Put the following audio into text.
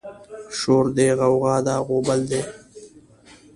شور دی غوغه ده غوبل دی